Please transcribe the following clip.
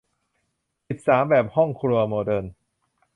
สิบสาม แบบห้องครัวโมเดิร์น